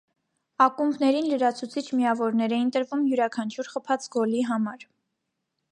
Ակումբներին լրացուցիչ միավորներ էին տրվում յուրաքանչյուր խփած գոլի համար։